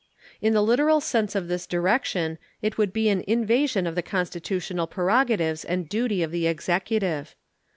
In the literal sense of this direction it would be an invasion of the constitutional prerogatives and duty of the Executive.